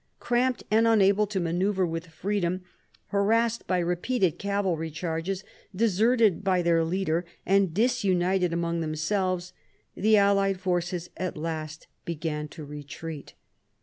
Cramped and unable to manoeuvre with freedom, harassed by repeated cavalry charges, deserted by their leader and disunited among themselves, the allied forces at last began to retreat.